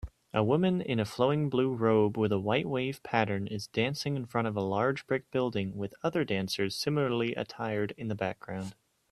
A woman in a flowing blue robe with a white wave pattern is dancing in front of a large brick building with other dancers similarly attired in the background